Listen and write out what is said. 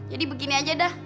jadi beginian aja dah